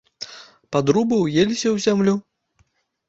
Падрубы ўеліся ў зямлю.